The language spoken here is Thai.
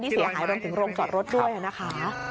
เสียหายรวมถึงโรงจอดรถด้วยนะคะ